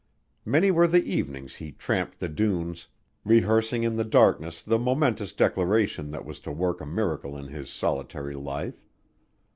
Many were the evenings he tramped the dunes, rehearsing in the darkness the momentous declaration that was to work a miracle in his solitary life.